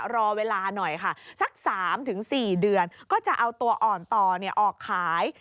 รอเวลาหน่อยค่ะสัก๓๔เดือนก็จะเอาตัวอ่อนต่อออกขาย